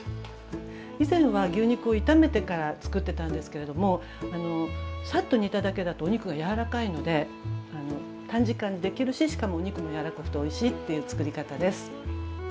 以前は牛肉を炒めてからつくってたんですけれどもサッと煮ただけだとお肉がやわらかいので短時間でできるししかもお肉もやわらかくておいしいっていうつくり方です。